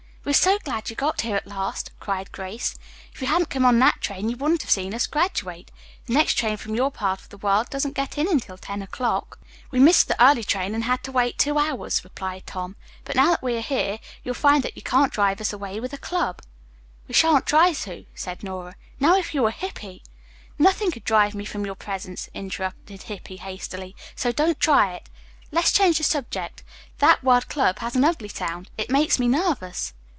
"We are so glad you got here at last," cried Grace. "If you hadn't come on that train you wouldn't have seen us graduate. The next train from your part of the world doesn't get in until ten o'clock." "We missed the early train and had to wait two hours," replied Tom, "but now that we are here, you'll find that you can't drive us away with a club." "We shan't try to," said Nora. "Now, if you were Hippy " "Nothing could drive me from your presence," interrupted Hippy hastily, "so don't try it. Let's change the subject. That word club has an ugly sound. It makes me nervous."